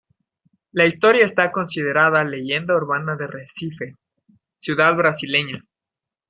La historia está considerada leyenda urbana de Recife, ciudad brasileña.